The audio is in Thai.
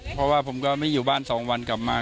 เพราะว่าผมก็ไม่อยู่บ้าน๒วันกลับมา